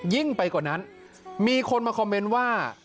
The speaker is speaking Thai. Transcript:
ยิ่งไปกว่านั้นมีคนมาคอมเมนต์ว่า